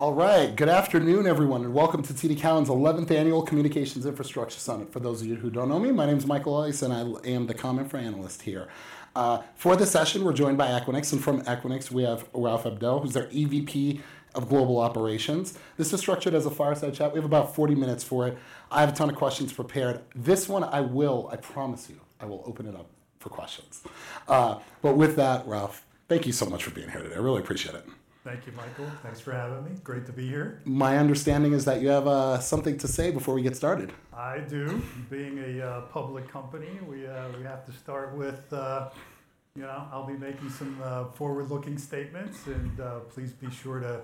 All right, good afternoon, everyone, and welcome to TD Cowen's 11th Annual Communications Infrastructure Summit. For those of you who don't know me, my name is Michael Elias, and I am the Common Threat Analyst here. For this session, we're joined by Equinix, and from Equinix, we have Raouf Abdel, who's our EVP of Global Operations. This is structured as a fireside chat. We have about 40 minutes for it. I have a ton of questions prepared. I promise you, I will open it up for questions. With that, Raouf, thank you so much for being here today. I really appreciate it. Thank you, Michael. Thanks for having me. Great to be here. My understanding is that you have something to say before we get started. I do. Being a public company, we have to start with, you know, I'll be making some forward-looking statements, and please be sure to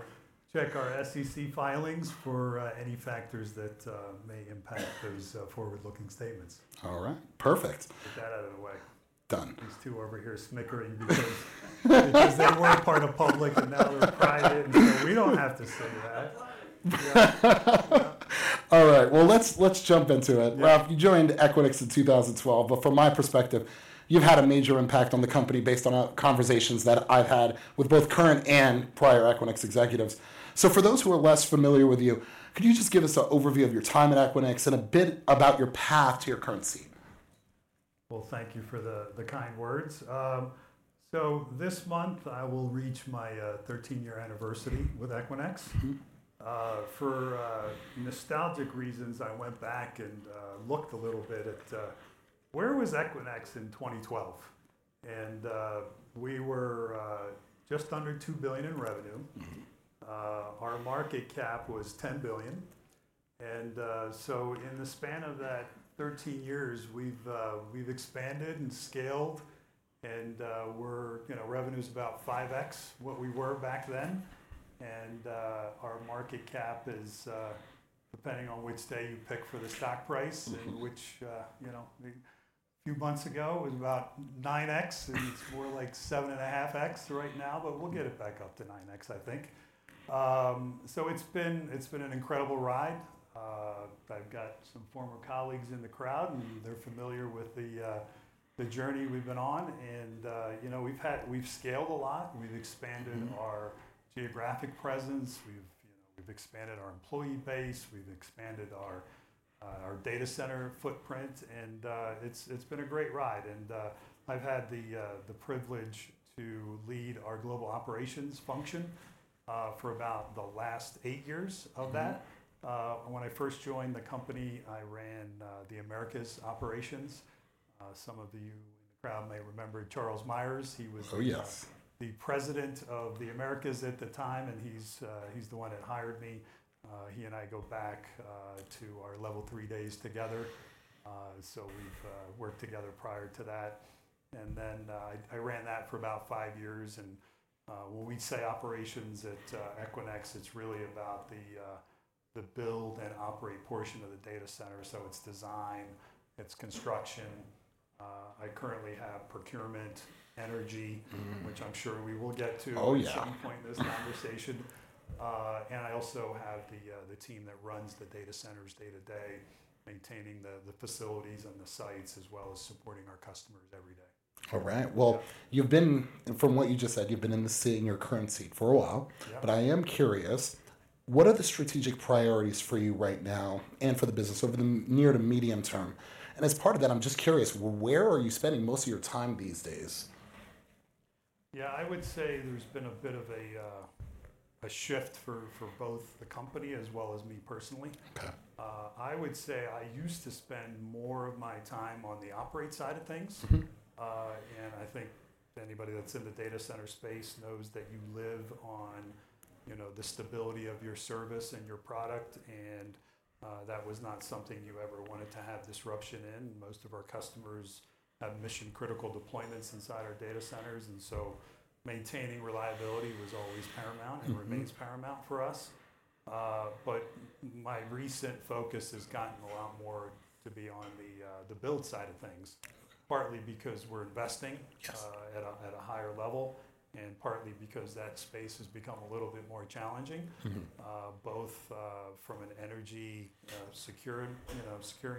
check our SEC filings for any factors that may impact those forward-looking statements. All right, perfect. Get that out of the way. Done. These two over here snickering because they were part of public and now they're private, and we don't have to say that. All right, let's jump into it. Raouf, you joined Equinix in 2012, but from my perspective, you've had a major impact on the company based on conversations that I've had with both current and prior Equinix executives. For those who are less familiar with you, could you just give us an overview of your time at Equinix and a bit about your path to your current seat? Thank you for the kind words. This month, I will reach my 13-year anniversary with Equinix. For nostalgic reasons, I went back and looked a little bit at where was Equinix in 2012? We were just under $2 billion in revenue. Our market cap was $10 billion. In the span of that 13 years, we've expanded and scaled, and we're, you know, revenue is about 5x what we were back then. Our market cap is, depending on which day you pick for the stock price and which, you know, a few months ago, it was about 9x. It's more like 7.5x right now, but we'll get it back up to 9x, I think. It's been an incredible ride. I've got some former colleagues in the crowd, and they're familiar with the journey we've been on. We've scaled a lot. We've expanded our geographic presence. We've expanded our employee base. We've expanded our data center footprint. It's been a great ride. I've had the privilege to lead our Global Operations function for about the last eight years of that. When I first joined the company, I ran the Americas operations. Some of you in the crowd may remember Charles Meyers. He was, oh yes, the President of the Americas at the time, and he's the one that hired me. He and I go back to our Level 3 days together. We've worked together prior to that. I ran that for about five years. When we say operations at Equinix, it's really about the build and operate portion of the data center. It's design, it's construction. I currently have procurement, energy, which I'm sure we will get to at some point in this conversation. I also have the team that runs the data centers day to day, maintaining the facilities and the sites, as well as supporting our customers every day. All right, you've been in your current seat for a while, but I am curious, what are the strategic priorities for you right now and for the business over the near to medium term? As part of that, I'm just curious, where are you spending most of your time these days? Yeah, I would say there's been a bit of a shift for both the company as well as me personally. I would say I used to spend more of my time on the operate side of things. I think anybody that's in the data center space knows that you live on the stability of your service and your product. That was not something you ever wanted to have disruption in. Most of our customers have mission-critical deployments inside our data centers, and so maintaining reliability was always paramount and remains paramount for us. My recent focus has gotten a lot more to be on the build side of things, partly because we're investing at a higher level and partly because that space has become a little bit more challenging, both from an energy, securing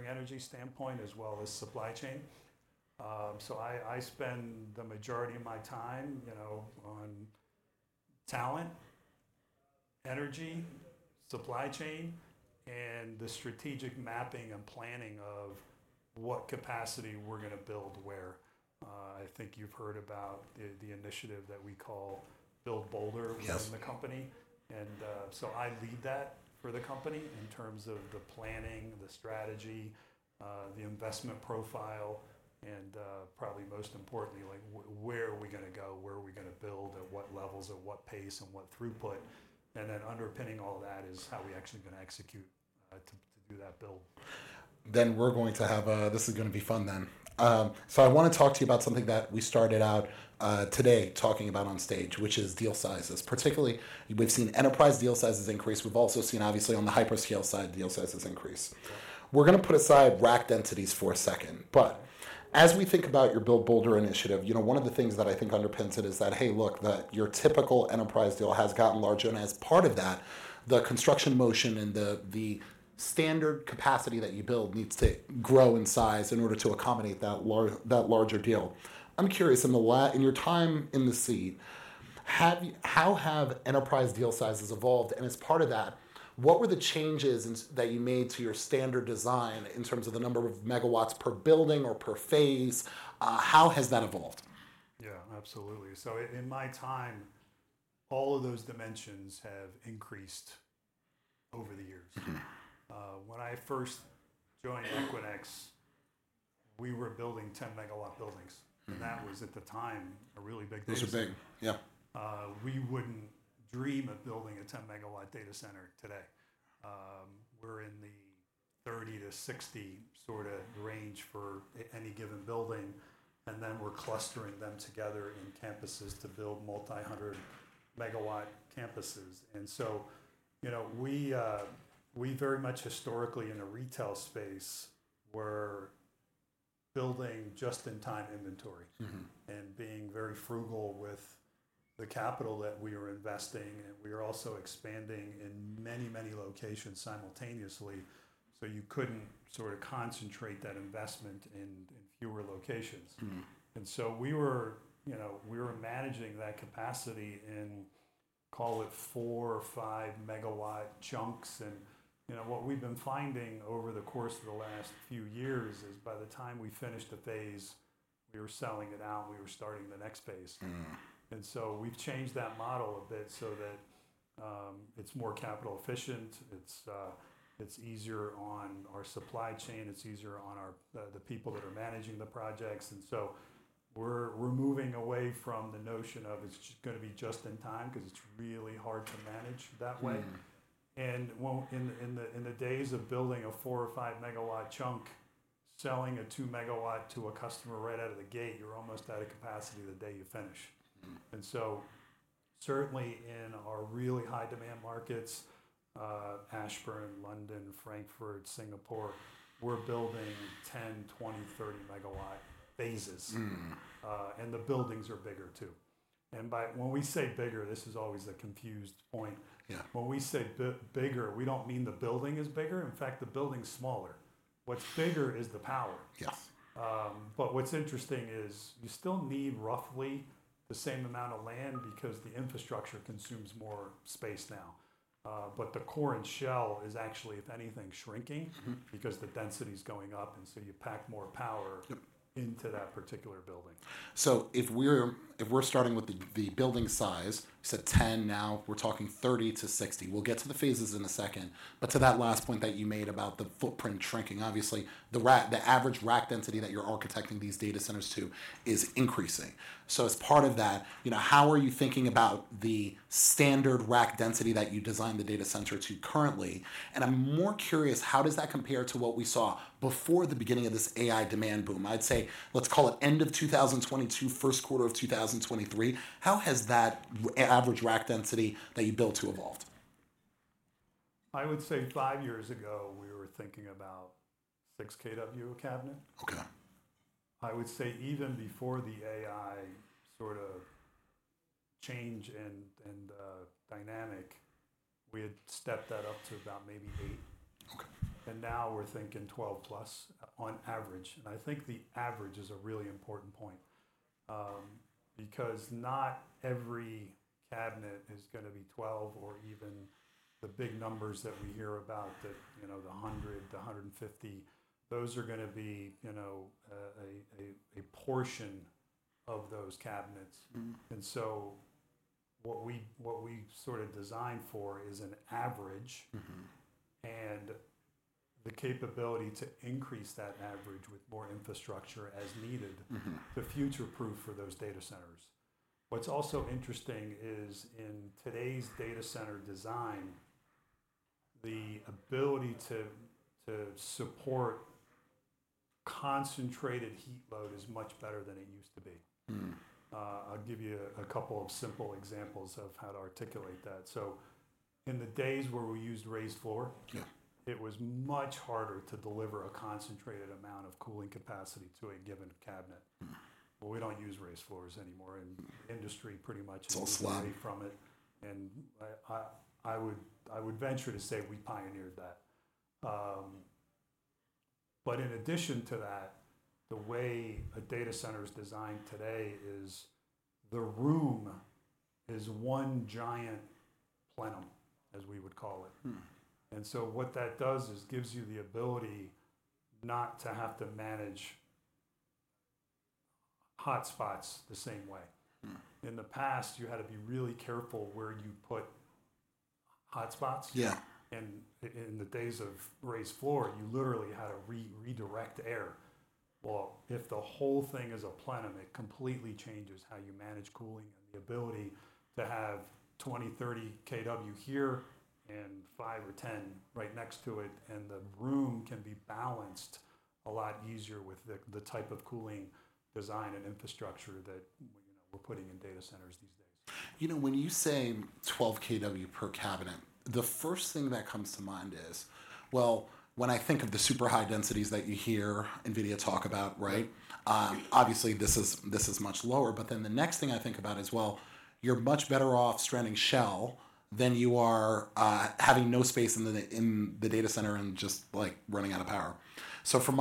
energy standpoint as well as supply chain. I spend the majority of my time on talent, energy, supply chain, and the strategic mapping and planning of what capacity we're going to build where. I think you've heard about the initiative that we call Build Boulder in the company. I lead that for the company in terms of the planning, the strategy, the investment profile, and probably most importantly, like where are we going to go, where are we going to build, at what levels, at what pace, and what throughput. Underpinning all that is how we actually going to execute to do that build. We're going to have, this is going to be fun. I want to talk to you about something that we started out today talking about on stage, which is deal sizes. Particularly, we've seen enterprise deal sizes increase. We've also seen, obviously, on the hyperscale side, deal sizes increase. We're going to put aside rack densities for a second. As we think about your Build Boulder initiative, one of the things that I think underpins it is that, hey, look, your typical enterprise deal has gotten larger. As part of that, the construction motion and the standard capacity that you build needs to grow in size in order to accommodate that larger deal. I'm curious, in your time in the seat, how have enterprise deal sizes evolved? As part of that, what were the changes that you made to your standard design in terms of the number of megawatts per building or per phase? How has that evolved? Yeah, absolutely. In my time, all of those dimensions have increased over the years. When I first joined Equinix, we were building 10 MW buildings. That was, at the time, a really big business. It was big, yeah. We wouldn't dream of building a 10 MW data center today. We're in the 30 MW-60 MW sort of range for any given building. Then we're clustering them together in campuses to build multi-hundred megawatt campuses. Historically, in a retail space, we were building just-in-time inventory and being very frugal with the capital that we were investing. We were also expanding in many, many locations simultaneously, so you couldn't sort of concentrate that investment in fewer locations. We were managing that capacity in, call it, 4 MW or 5 MW chunks. What we've been finding over the course of the last few years is by the time we finished a phase, we were selling it out and we were starting the next phase. We've changed that model a bit so that it's more capital efficient. It's easier on our supply chain. It's easier on the people that are managing the projects. We're moving away from the notion of it's going to be just in time because it's really hard to manage that way. In the days of building a 4 MW or 5 MW chunk, selling a 2 MW to a customer right out of the gate, you're almost out of capacity the day you finish. Certainly in our really high demand markets, Ashburn, London, Frankfurt, Singapore, we're building 10 MW, 20 MW, 30 MW phases, and the buildings are bigger too. When we say bigger, this is always a confused point. When we say bigger, we don't mean the building is bigger. In fact, the building's smaller. What's bigger is the power. What's interesting is you still need roughly the same amount of land because the infrastructure consumes more space now, but the core and shell is actually, if anything, shrinking because the density is going up. You pack more power into that particular building. If we're starting with the building size, 10MW, now we're talking 30 MW- 60 MW. We'll get to the phases in a second. To that last point that you made about the footprint shrinking, obviously, the average rack density that you're architecting these data centers to is increasing. As part of that, how are you thinking about the standard rack density that you designed the data center to currently? I'm more curious, how does that compare to what we saw before the beginning of this AI demand boom? Let's call it end of 2022, first quarter of 2023. How has that average rack density that you built to evolved? I would say five years ago, we were thinking about 6 kW a cabinet. Okay. I would say even before the AI sort of change and dynamic, we had stepped that up to about maybe 8 kW. Now we're thinking 12 kW plus on average. I think the average is a really important point because not every cabinet is going to be 12 kW or even the big numbers that we hear about, the, you know, the 100 kW-150 kW. Those are going to be a portion of those cabinets. What we sort of designed for is an average and the capability to increase that average with more infrastructure as needed to future-proof for those data centers. What's also interesting is in today's data center design, the ability to support concentrated heat load is much better than it used to be. I'll give you a couple of simple examples of how to articulate that. In the days where we used raised floor, it was much harder to deliver a concentrated amount of cooling capacity to a given cabinet. We don't use raised floors anymore in industry pretty much. It's all slab. I would venture to say we pioneered that. In addition to that, the way a data center is designed today is the room is one giant plenum, as we would call it. What that does is gives you the ability not to have to manage hotspots the same way. In the past, you had to be really careful where you put hotspots. Yeah. In the days of raised floor, you literally had to redirect air. If the whole thing is a plenum, it completely changes how you manage cooling and the ability to have 20kW, 30 kW here and five or ten right next to it. The room can be balanced a lot easier with the type of cooling design and infrastructure that, you know, we're putting in data centers these days. You know, when you say 12 kW per cabinet, the first thing that comes to mind is, when I think of the super high densities that you hear NVIDIA talk about, right? Obviously, this is much lower. The next thing I think about is, you're much better off stranding shell than you are having no space in the data center and just running out of power. From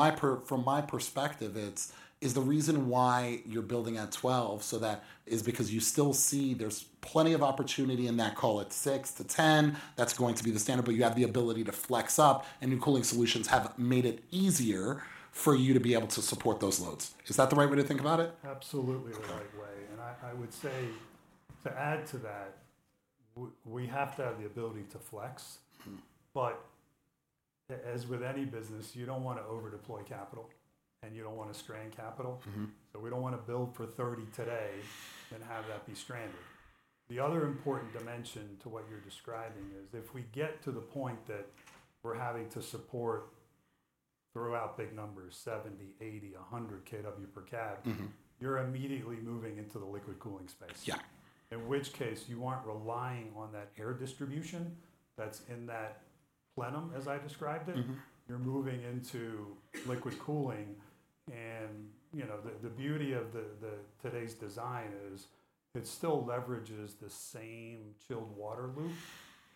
my perspective, it's the reason why you're building at 12 kW, so that is because you still see there's plenty of opportunity in that, call it 6 kW-10 kW. That's going to be the standard, but you have the ability to flex up and new cooling solutions have made it easier for you to be able to support those loads. Is that the right way to think about it? Absolutely the right way. I would say to add to that, we have to have the ability to flex. As with any business, you don't want to overdeploy capital and you don't want to strand capital. We don't want to build for 30 kW today and have that be stranded. The other important dimension to what you're describing is if we get to the point that we're having to support throughout big numbers, 70 kW, 80 kW, 100 kW per cab, you're immediately moving into the liquid cooling space. Yeah. In which case you aren't relying on that air distribution that's in that plenum, as I described it. You're moving into liquid cooling. The beauty of today's design is it still leverages the same chilled water loop.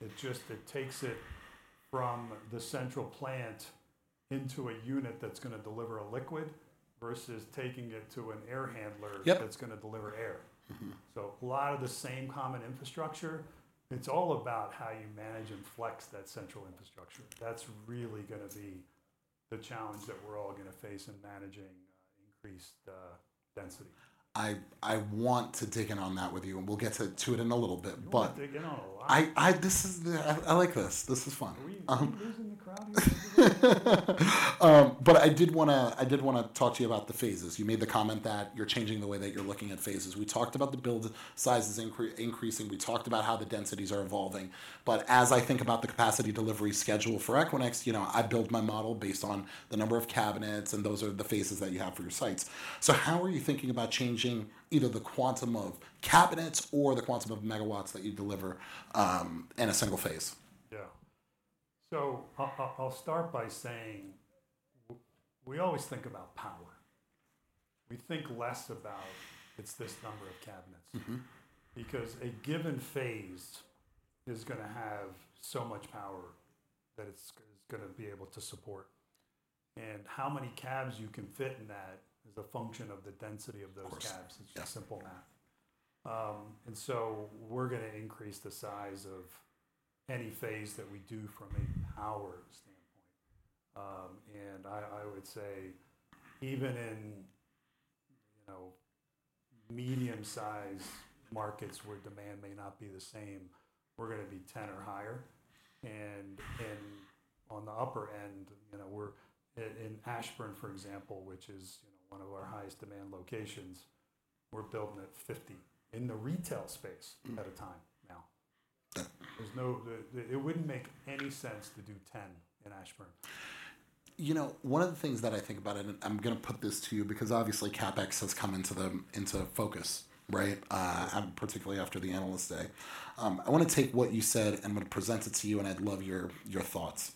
It just takes it from the central plant into a unit that's going to deliver a liquid versus taking it to an air handler that's going to deliver air. A lot of the same common infrastructure, it's all about how you manage and flex that central infrastructure. That's really going to be the challenge that we're all going to face in managing increased density. I want to dig in on that with you, and we'll get to it in a little bit. Dig in on a lot. I like this. This is fun. Are we including the crowd? I did want to talk to you about the phases. You made the comment that you're changing the way that you're looking at phases. We talked about the build sizes increasing, and we talked about how the densities are evolving. As I think about the capacity delivery schedule for Equinix, I build my model based on the number of cabinets, and those are the phases that you have for your sites. How are you thinking about changing either the quantum of cabinets or the quantum of megawatts that you deliver in a single phase? Yeah. I'll start by saying we always think about power. We think less about it's this number of cabinets because a given phase is going to have so much power that it's going to be able to support. How many cabs you can fit in that is a function of the density of those cabs. It's simple math, and we're going to increase the size of any phase that we do from a power standpoint. I would say even in, you know, medium-sized markets where demand may not be the same, we're going to be 10 kW or higher. On the upper end, in Ashburn, for example, which is one of our highest demand locations, we're building at 50 kW in the retail space at a time now. It wouldn't make any sense to do 10 kW in Ashburn. You know, one of the things that I think about, and I'm going to put this to you because obviously CapEx has come into the focus, right? Particularly after the analyst day. I want to take what you said and present it to you, and I'd love your thoughts.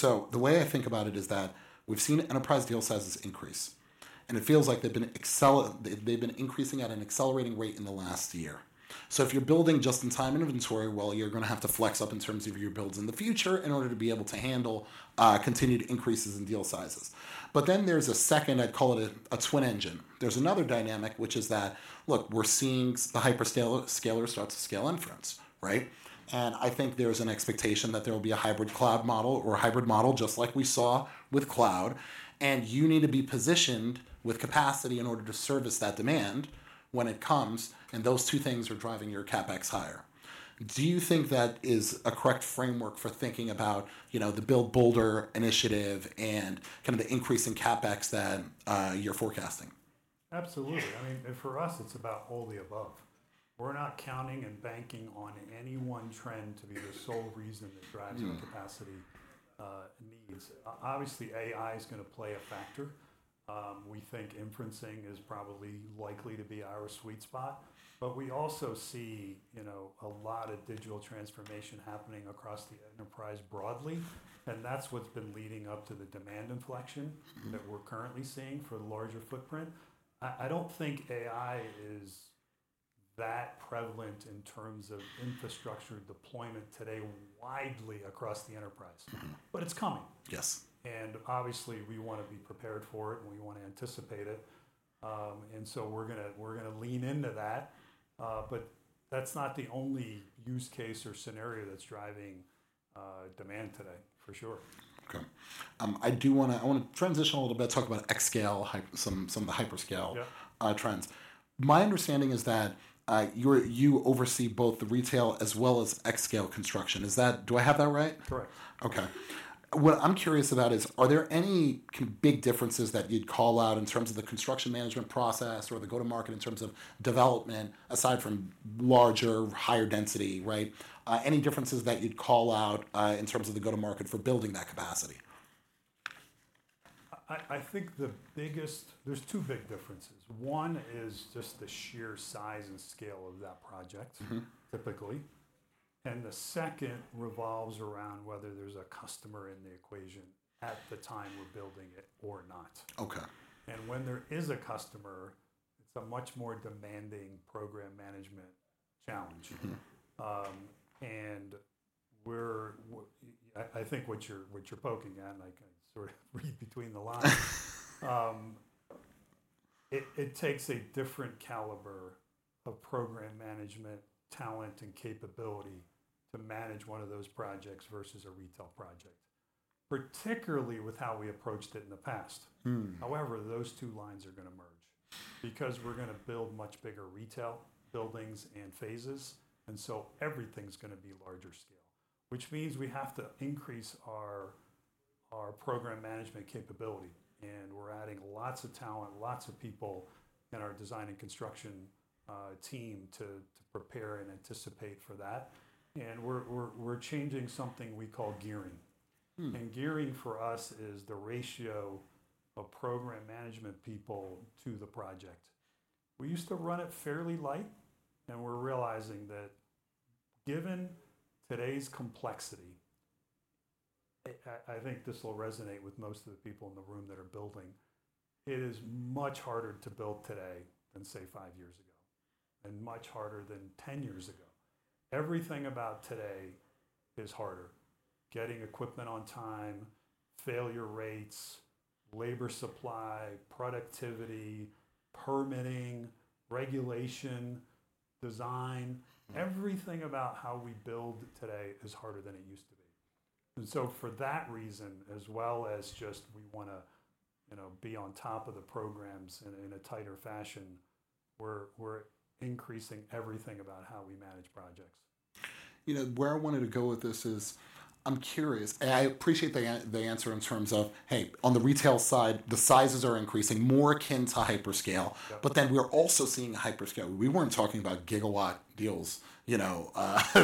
The way I think about it is that we've seen enterprise deal sizes increase, and it feels like they've been increasing at an accelerating rate in the last year. If you're building just-in-time inventory, you're going to have to flex up in terms of your builds in the future in order to be able to handle continued increases in deal sizes. There's a second, I call it a twin engine. There's another dynamic, which is that we're seeing the hyperscaler start to scale inference, right? I think there's an expectation that there will be a hybrid cloud model or a hybrid model, just like we saw with cloud. You need to be positioned with capacity in order to service that demand when it comes. Those two things are driving your CapEx higher. Do you think that is a correct framework for thinking about the Build Boulder initiative and the increase in CapEx that you're forecasting? Absolutely. I mean, for us, it's about all the above. We're not counting and banking on any one trend to be the sole reason that drives our capacity needs. Obviously, AI is going to play a factor. We think inferencing is probably likely to be our sweet spot. We also see a lot of digital transformation happening across the enterprise broadly. That's what's been leading up to the demand inflection that we're currently seeing for the larger footprint. I don't think AI is that prevalent in terms of infrastructure deployment today widely across the enterprise. It's coming. Yes. Obviously, we want to be prepared for it, and we want to anticipate it, so we're going to lean into that. That's not the only use case or scenario that's driving demand today, for sure. Okay. I do want to transition a little bit, talk about xScale, some of the hyperscale trends. My understanding is that you oversee both the retail as well as xScale construction. Is that, do I have that right? Correct. Okay. What I'm curious about is, are there any big differences that you'd call out in terms of the construction management process or the go-to-market in terms of development, aside from larger, higher density, right? Any differences that you'd call out in terms of the go-to-market for building that capacity? I think the biggest, there's two big differences. One is just the sheer size and scale of that project, typically, and the second revolves around whether there's a customer in the equation at the time we're building it or not. Okay. When there is a customer, it's a much more demanding program management challenge. I think what you're poking at, and I can sort of read between the lines, it takes a different caliber of program management, talent, and capability to manage one of those projects versus a retail project, particularly with how we approached it in the past. However, those two lines are going to merge because we're going to build much bigger retail buildings and phases. Everything's going to be larger scale, which means we have to increase our program management capability. We're adding lots of talent, lots of people in our design and construction team to prepare and anticipate for that. We're changing something we call gearing. Gearing for us is the ratio of program management people to the project. We used to run it fairly light, and we're realizing that given today's complexity, I think this will resonate with most of the people in the room that are building. It is much harder to build today than, say, five years ago and much harder than 10 years ago. Everything about today is harder. Getting equipment on time, failure rates, labor supply, productivity, permitting, regulation, design, everything about how we build today is harder than it used to be. For that reason, as well as just we want to be on top of the programs in a tighter fashion, we're increasing everything about how we manage projects. You know, where I wanted to go with this is I'm curious, and I appreciate the answer in terms of, hey, on the retail side, the sizes are increasing, more akin to hyperscale, but then we're also seeing hyperscale. We weren't talking about gigawatt deals, you know,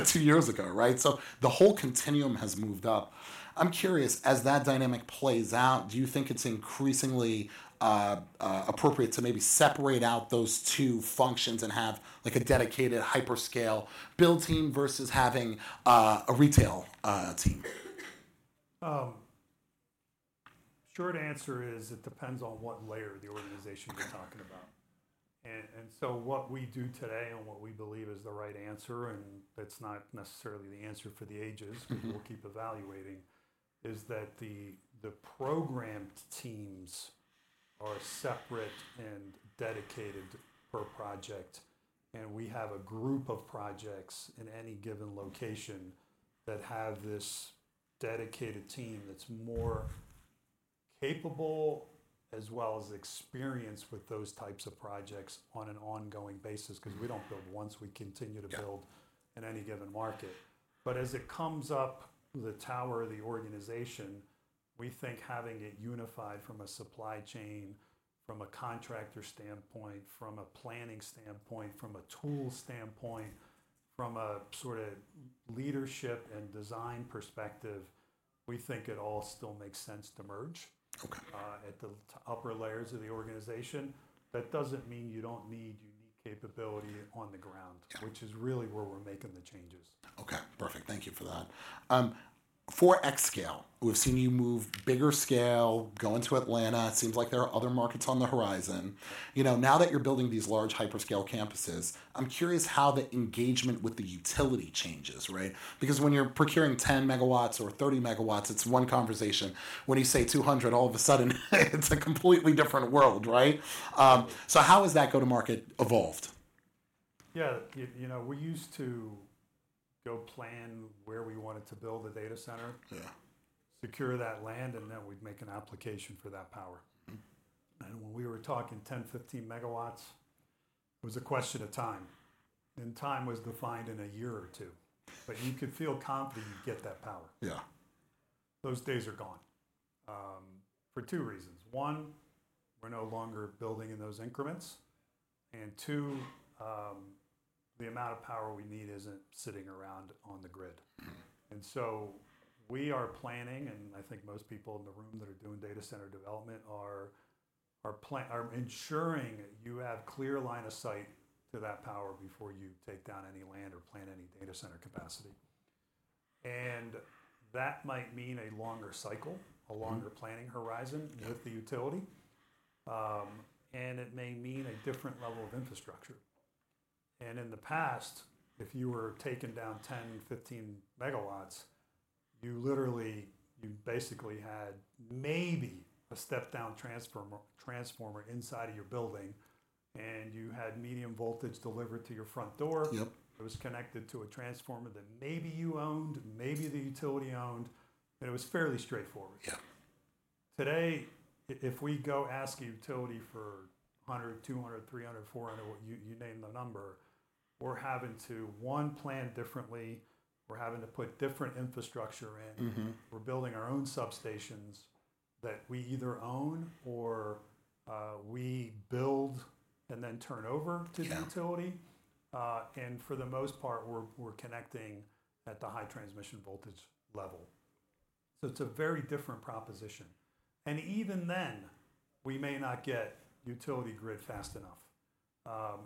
two years ago, right? The whole continuum has moved up. I'm curious, as that dynamic plays out, do you think it's increasingly appropriate to maybe separate out those two functions and have like a dedicated hyperscale build team versus having a retail team? Short answer is it depends on what layer of the organization you're talking about. What we do today and what we believe is the right answer, and it's not necessarily the answer for the ages because we'll keep evaluating, is that the programmed teams are separate and dedicated per project. We have a group of projects in any given location that have this dedicated team that's more capable as well as experienced with those types of projects on an ongoing basis because we don't build once. We continue to build in any given market. As it comes up to the tower of the organization, we think having it unified from a supply chain, from a contractor standpoint, from a planning standpoint, from a tool standpoint, from a sort of leadership and design perspective, we think it all still makes sense to merge at the upper layers of the organization. That doesn't mean you don't need unique capability on the ground, which is really where we're making the changes. Okay, perfect. Thank you for that. For xScale, we've seen you move bigger scale, go into Atlanta. It seems like there are other markets on the horizon. Now that you're building these large hyperscale campuses, I'm curious how the engagement with the utility changes, right? Because when you're procuring 10 M or 30 MW, it's one conversation. When you say 200 MW, all of a sudden, it's a completely different world, right? How has that go-to-market evolved? Yeah, you know, we used to go plan where we wanted to build a data center. Yeah. Secure that land, and then we'd make an application for that power. When we were talking 10 MW, 15 MW, it was a question of time. Time was defined in a year or two. You could feel confident you'd get that power. Yeah. Those days are gone for two reasons. One, we're no longer building in those increments. Two, the amount of power we need isn't sitting around on the grid. We are planning, and I think most people in the room that are doing data center development are ensuring you have a clear line of sight to that power before you take down any land or plan any data center capacity. That might mean a longer cycle, a longer planning horizon with the utility. It may mean a different level of infrastructure. In the past, if you were taking down 10 MW, 15 MW, you basically had maybe a step-down transformer inside of your building, and you had medium voltage delivered to your front door. Yep. It was connected to a transformer that maybe you owned, maybe the utility owned, and it was fairly straightforward. Yeah. Today, if we go ask a utility for 100 MW, 200 MW, 300 MW, 400MW, you name the number, we're having to, one, plan differently. We're having to put different infrastructure in. We're building our own substations that we either own or we build and then turn over to the utility. For the most part, we're connecting at the high transmission voltage level. It's a very different proposition. Even then, we may not get utility grid fast enough,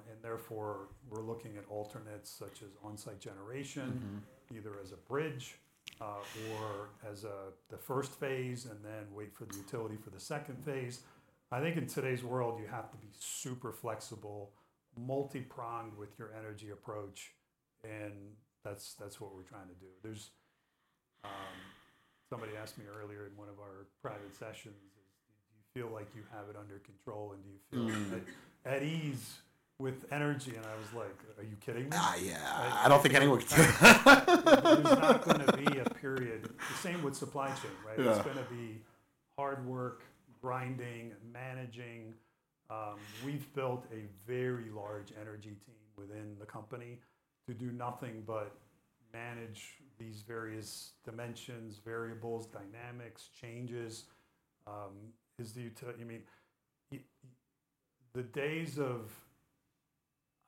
and therefore, we're looking at alternates such as on-site generation, either as a bridge or as the first phase, and then wait for the utility for the second phase. I think in today's world, you have to be super flexible, multi-pronged with your energy approach. That's what we're trying to do. Somebody asked me earlier in one of our private sessions, do you feel like you have it under control? Do you feel at ease with energy? I was like, are you kidding me? Yeah, I don't think anyone can. It's going to be a period, the same with supply chain, right? It's going to be hard work, grinding, managing. We've built a very large energy team within the company to do nothing but manage these various dimensions, variables, dynamics, changes. The utility, I mean, the days of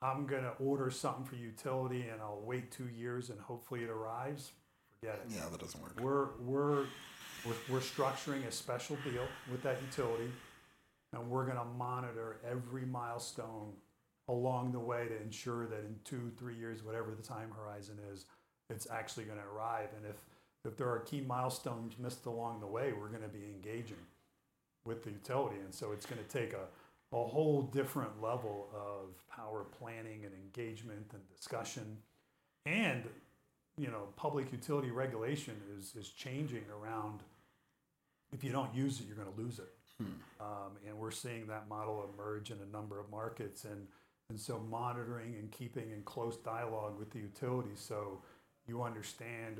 I'm going to order something for utility and I'll wait two years and hopefully it arrives, forget it. Yeah, that doesn't work. We're structuring a special deal with that utility, and we're going to monitor every milestone along the way to ensure that in two, three years, whatever the time horizon is, it's actually going to arrive. If there are key milestones missed along the way, we're going to be engaging with the utility. It's going to take a whole different level of power planning, engagement, and discussion. Public utility regulation is changing around. If you don't use it, you're going to lose it. We're seeing that model emerge in a number of markets. Monitoring and keeping in close dialogue with the utility so you understand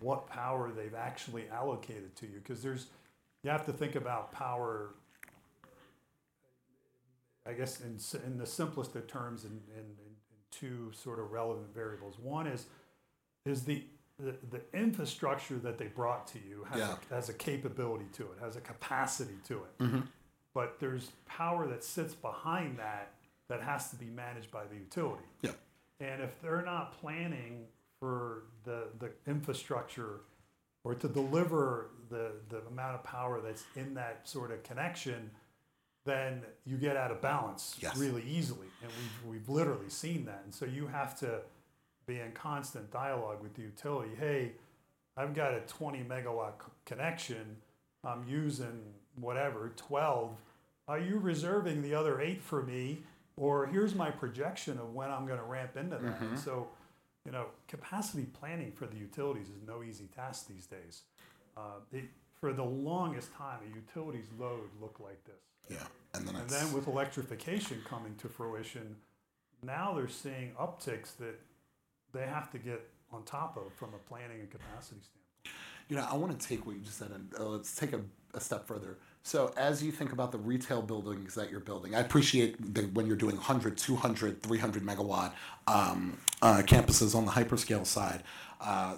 what power they've actually allocated to you is important because you have to think about power, I guess, in the simplest of terms and two sort of relevant variables. One is the infrastructure that they brought to you has a capability to it, has a capacity to it, but there's power that sits behind that that has to be managed by the utility. Yeah. If they're not planning for the infrastructure or to deliver the amount of power that's in that sort of connection, then you get out of balance really easily. We've literally seen that. You have to be in constant dialogue with the utility. Hey, I've got a 20 MW connection. I'm using, whatever, 12 MW. Are you reserving the other 8 MW for me? Here's my projection of when I'm going to ramp into that. Capacity planning for the utilities is no easy task these days. For the longest time, a utility's load looked like this. Yeah. With electrification coming to fruition, now they're seeing upticks that they have to get on top of from a planning and capacity standpoint. I want to take what you just said. Let's take a step further. As you think about the retail buildings that you're building, I appreciate that when you're doing 100 MW, 200 MW, 300 MW campuses on the hyperscale side,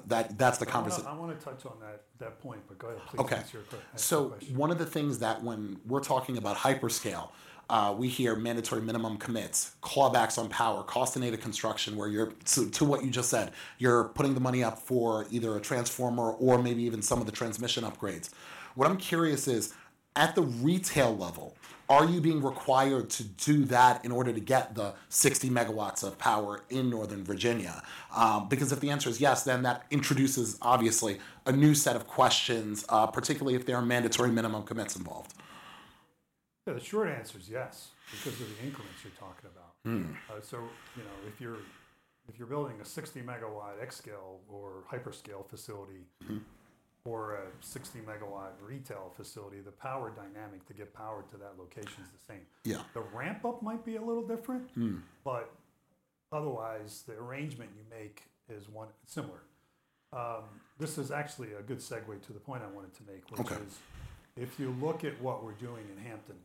that's the conversation. I want to touch on that point, but go ahead. Okay. One of the things that, when we're talking about hyperscale, we hear mandatory minimum commits, clawbacks on power, cost-to-native construction where you're, to what you just said, you're putting the money up for either a transformer or maybe even some of the transmission upgrades. What I'm curious is, at the retail level, are you being required to do that in order to get the 60 MW of power in Northern Virginia? Because if the answer is yes, then that introduces obviously a new set of questions, particularly if there are mandatory minimum commits involved. The short answer is yes, because of the increments you're talking about. If you're building a 60 MW xScale or hyperscale facility or a 60 MW retail facility, the power dynamic to get power to that location is the same. Yeah. The ramp-up might be a little different, but otherwise, the arrangement you make is one similar. This is actually a good segue to the point I wanted to make, which is if you look at what we're doing in Hampton,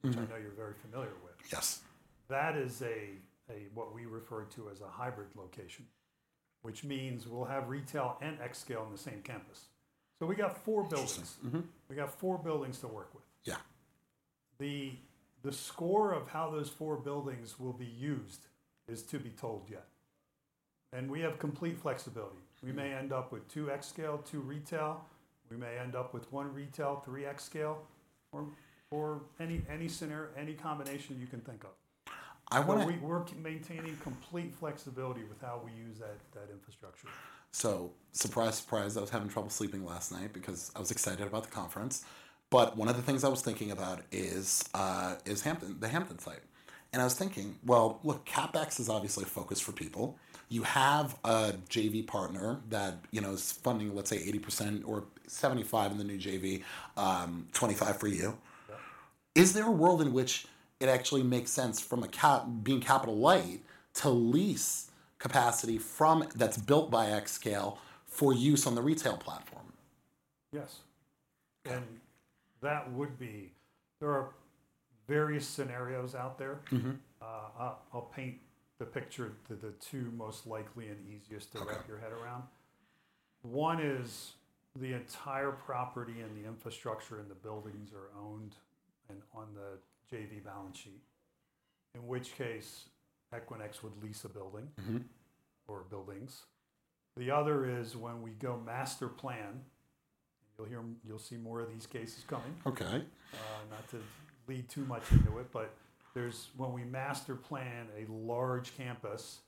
which I know you're very familiar with. Yes. That is what we refer to as a hybrid location, which means we'll have retail and xScale in the same campus. We got four buildings to work with. Yeah. The score of how those four buildings will be used is to be told yet. We have complete flexibility. We may end up with two xScale, two retail. We may end up with one retail, three xScale, or any scenario, any combination you can think of. I want to. We're maintaining complete flexibility with how we use that infrastructure. I was having trouble sleeping last night because I was excited about the conference. One of the things I was thinking about is Hampton, the Hampton site. I was thinking, CapEx is obviously a focus for people. You have a JV partner that is funding, let's say, 80% or 75% in the new JV, 25% for you. Is there a world in which it actually makes sense from being capital light to lease capacity that's built by xScale for use on the retail platform? Yes. There are various scenarios out there. I'll paint the picture of the two most likely and easiest to wrap your head around. One is the entire property and the infrastructure and the buildings are owned and on the JV balance sheet, in which case Equinix would lease a building or buildings. The other is when we go master plan, and you'll see more of these cases coming. Okay. Not to lead too much into it, but when we master plan a large campus,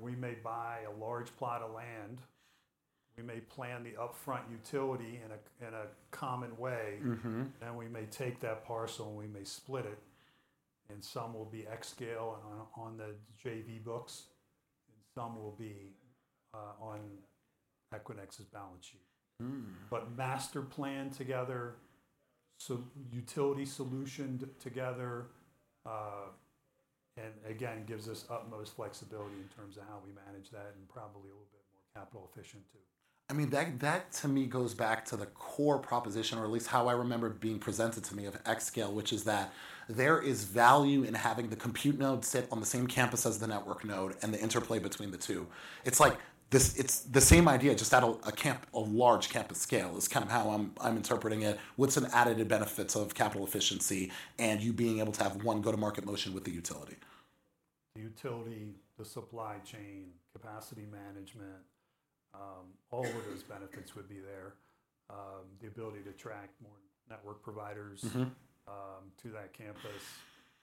we may buy a large plot of land. We may plan the upfront utility in a common way, and we may take that parcel and split it. Some will be xScale and on the JV books, and some will be on Equinix's balance sheet. Master planned together, utility solution together, and again, gives us utmost flexibility in terms of how we manage that and probably a little bit more capital efficient too. I mean, that to me goes back to the core proposition, or at least how I remember being presented to me of xScale, which is that there is value in having the compute node sit on the same campus as the network node and the interplay between the two. It's like this, it's the same idea, just at a large campus scale is kind of how I'm interpreting it with some added benefits of capital efficiency and you being able to have one go-to-market motion with the utility. The utility, the supply chain, capacity management, all of those benefits would be there. The ability to track more network providers to that campus.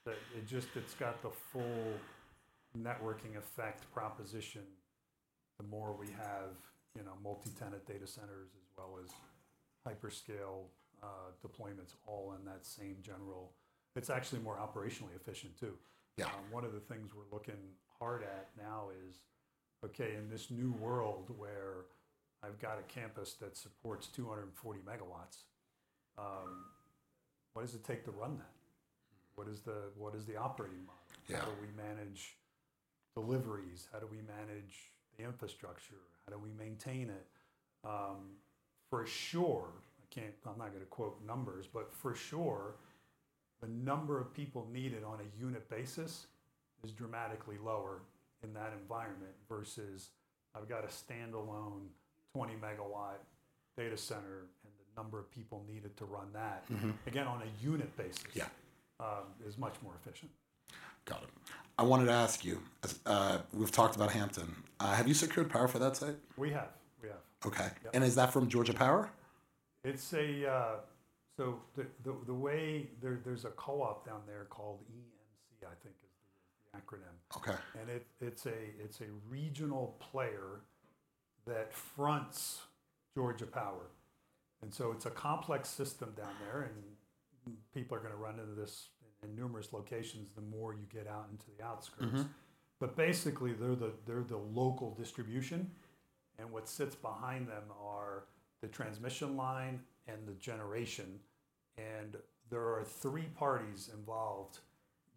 It just, it's got the full networking effect proposition. The more we have, you know, multi-tenant data centers as well as hyperscale deployments all in that same general, it's actually more operationally efficient too. Yeah. One of the things we're looking hard at now is, okay, in this new world where I've got a campus that supports 240 MW, what does it take to run that? What is the operating? Yeah. How do we manage deliveries? How do we manage the infrastructure? How do we maintain it? For sure, I can't, I'm not going to quote numbers, but for sure, the number of people needed on a unit basis is dramatically lower in that environment versus I've got a standalone 20 MW data center and the number of people needed to run that, again, on a unit basis. Yeah. is much more efficient. Got it. I wanted to ask you, as we've talked about Hampton, have you secured power for that site? We have. Is that from Georgia Power? The way there's a co-op down there called EMC, I think is the acronym. Okay. It's a regional player that fronts Georgia Power. It's a complex system down there, and people are going to run into this in numerous locations the more you get out into the outskirts. Basically, they're the local distribution, and what sits behind them are the transmission line and the generation. There are three parties involved.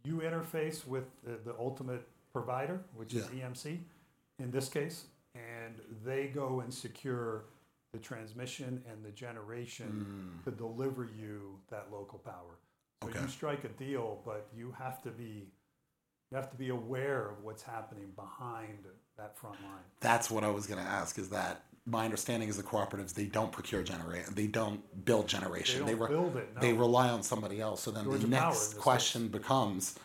You interface with the ultimate provider, which is EMC in this case, and they go and secure the transmission and the generation to deliver you that local power. Okay. You strike a deal, but you have to be aware of what's happening behind that front line. That's what I was going to ask. My understanding is the cooperatives, they don't procure generation, they don't build generation. They build it. They rely on somebody else. The next question becomes,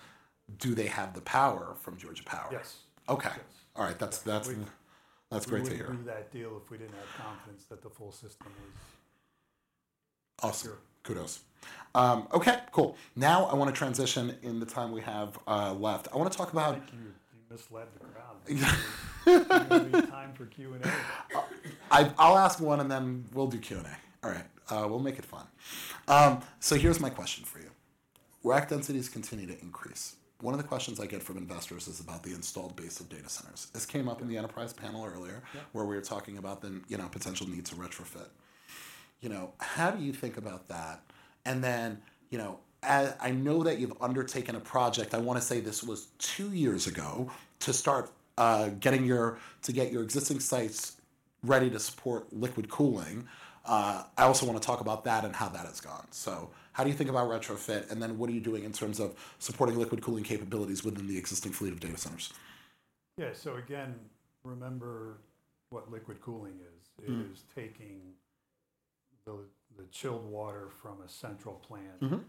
do they have the power from Georgia Power? Yes. Okay. Yes. All right. That's great to hear. We wouldn't do that deal if we didn't have confidence that the full system was secure. Kudos. Okay, cool. Now I want to transition in the time we have left. I want to talk about. You can mislead the crowd. Exactly. It's time for Q&A. I'll ask one and then we'll do Q&A. All right. We'll make it fun. Here's my question for you. Rack densities continue to increase. One of the questions I get from investors is about the installed base of data centers. This came up in the enterprise panel earlier, where we were talking about the potential need to retrofit. How do you think about that? I know that you've undertaken a project, I want to say this was two years ago, to start getting your existing sites ready to support liquid cooling. I also want to talk about that and how that has gone. How do you think about retrofit, and what are you doing in terms of supporting liquid cooling capabilities within the existing fleet of data centers? Yeah, remember what liquid cooling is. It is taking the chilled water from a central plant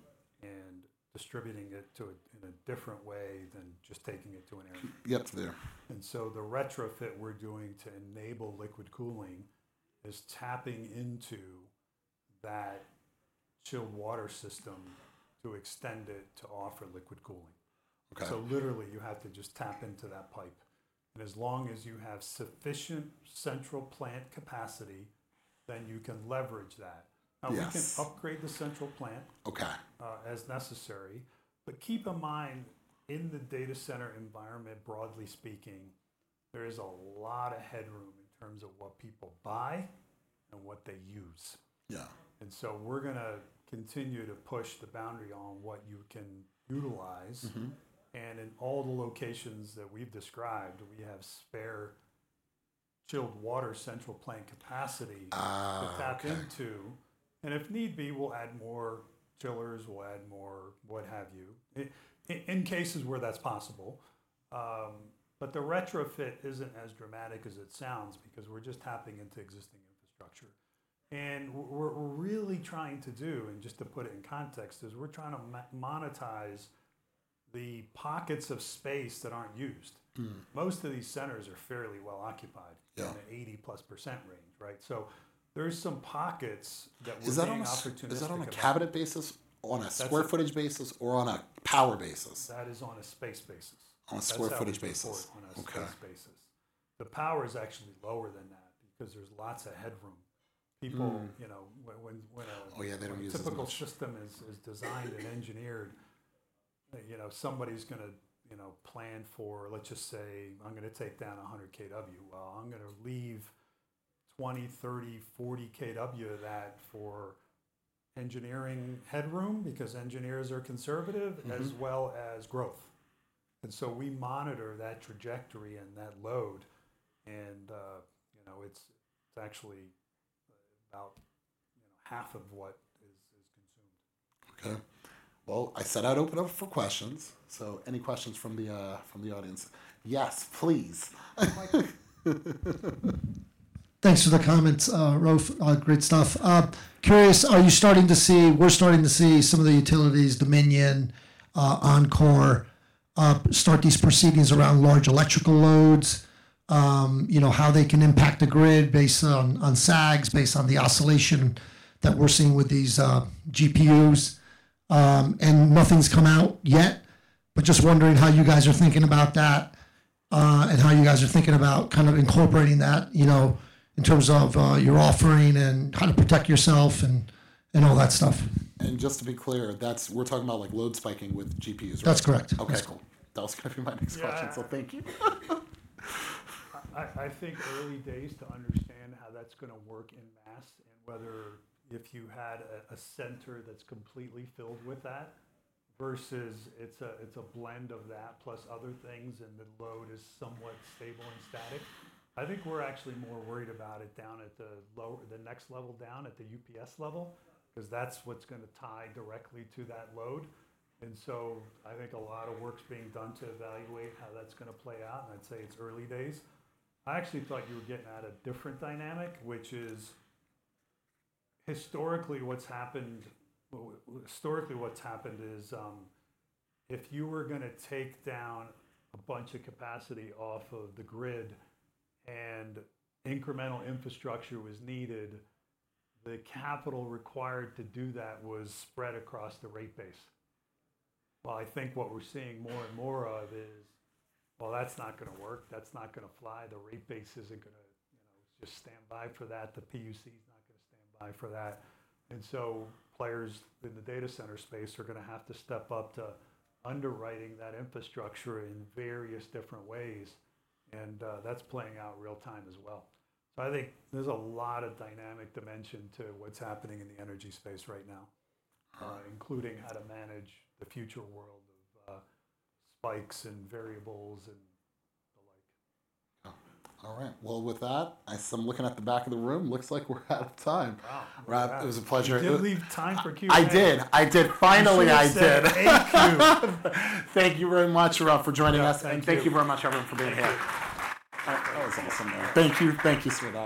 and distributing it to it in a different way than just taking it to an area. Yep. The retrofit we're doing to enable liquid cooling is tapping into that chilled water system to extend it to offer liquid cooling. Okay. You have to just tap into that pipe, and as long as you have sufficient central plant capacity, then you can leverage that. Yep. Now, we can upgrade the central plant. Okay. As necessary. Keep in mind, in the data center environment, broadly speaking, there is a lot of headroom in terms of what people buy and what they use. Yeah. We are going to continue to push the boundary on what you can utilize. In all the locations that we've described, we have spare chilled water central plant capacity to tap into. If need be, we'll add more chillers, we'll add more, what have you, in cases where that's possible. The retrofit isn't as dramatic as it sounds because we're just tapping into existing infrastructure. What we're really trying to do, just to put it in context, is we're trying to monetize the pockets of space that aren't used. Most of these centers are fairly well occupied in the 80%+ range, right? There are some pockets that will be an opportunity. Is that on a cabinet basis, on a square footage basis, or on a power basis? That is on a space basis. On a square footage basis. On a space basis, the power is actually lower than that because there's lots of headroom. People, you know, when a typical system is designed and engineered, somebody's going to plan for, let's just say, I'm going to take down 100 kW. I'm going to leave 20 kW, 30 kW, 40 kW of that for engineering headroom because engineers are conservative as well as growth. We monitor that trajectory and that load. It's actually about, you know, half of what is consumed. Okay. I said I'd open up for questions. Any questions from the audience? Yes, please. Thanks for the comments, Raouf. Great stuff. Curious, are you starting to see, we're starting to see some of the utilities, Dominion, Encore, start these proceedings around large electrical loads, you know, how they can impact the grid based on SAGs, based on the oscillation that we're seeing with these GPUs. Nothing's come out yet, but just wondering how you guys are thinking about that, and how you guys are thinking about kind of incorporating that, you know, in terms of your offering and how to protect yourself and all that stuff. Just to be clear, that's we're talking about like load spiking with GPUs, right? That's correct. Okay, cool. That was going to be my next question. Thank you. I think it's early days to understand how that's going to work in mass and whether, if you had a center that's completely filled with that versus it's a blend of that plus other things and the load is somewhat stable and static. I think we're actually more worried about it down at the next level down at the UPS level because that's what's going to tie directly to that load. I think a lot of work's being done to evaluate how that's going to play out. I'd say it's early days. I actually thought you were getting at a different dynamic, which is historically what's happened. Historically, what's happened is, if you were going to take down a bunch of capacity off of the grid and incremental infrastructure was needed, the capital required to do that was spread across the rate base. I think what we're seeing more and more of is that's not going to work. That's not going to fly. The rate base isn't going to, you know, just stand by for that. The PUC is not going to stand by for that. Players in the data center space are going to have to step up to underwriting that infrastructure in various different ways. That's playing out real time as well. I think there's a lot of dynamic dimension to what's happening in the energy space right now, including how to manage the future world of spikes and variables and the like. All right. With that, I'm looking at the back of the room. Looks like we're out of time. Wow, it was a pleasure. Did you leave time for Q? I did. I did. Finally, I did. Thank you. Thank you very much, Raouf, for joining us. Thank you very much, everyone, for being here. That was awesome, man. Thank you. Thank you, sir.